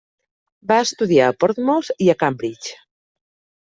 Va estudiar a Portsmouth i a Cambridge.